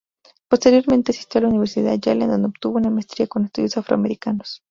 Posteriormente, asistió a la Universidad Yale, en donde obtuvo una maestría en Estudios Afroamericanos.